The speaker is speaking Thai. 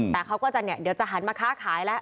แต่เขาก็จะเดี๋ยวจะหันมาค้าขายแล้ว